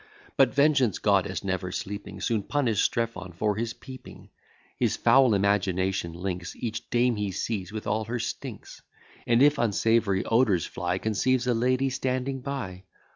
But Vengeance, goddess never sleeping, Soon punish'd Strephon for his peeping: His foul imagination links Each dame he sees with all her stinks; And, if unsavoury odours fly, Conceives a lady standing by.